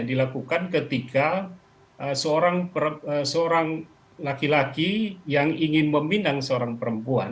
dilakukan ketika seorang laki laki yang ingin meminang seorang perempuan